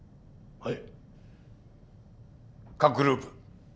はい！